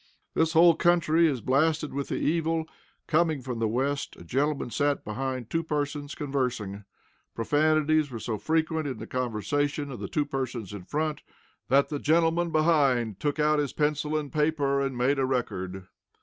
This whole country is blasted with the evil. Coming from the West, a gentleman sat behind two persons conversing. Profanities were so frequent in the conversation of the two persons in front, that the gentleman behind took out his pencil and paper and made a record.